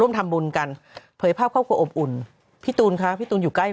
ทำบุญกันเผยภาพครอบครัวอบอุ่นพี่ตูนคะพี่ตูนอยู่ใกล้